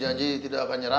janji tidak akan nyerang